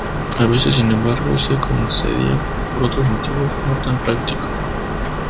A veces, sin embargo, se concedía por otros motivos no tan prácticos.